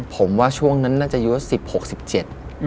ผมว่าช่วงนั้นน่าจะยุ่นว่า